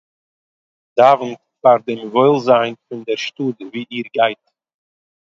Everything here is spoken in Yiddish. דאַוונט פאַר דעם וואוילזיין פון דער שטאָט וואו איר גייט